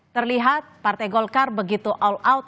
terlihat partai golkar begitu all out